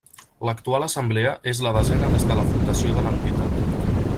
L'actual Assemblea és la desena des de la fundació de l'entitat.